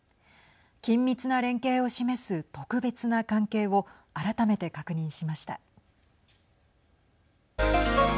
緊密な連携を示す特別な関係を改めて確認しました。